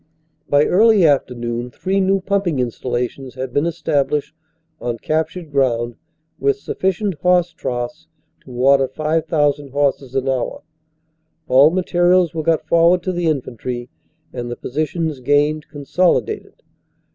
By early afternoon three new pumping installations had 228 CANADA S HUNDRED DAYS been established on captured ground with sufficient horse troughs to water 5,000 horses an hour. All materials were got forward to the infantry and the positions gained consolidated.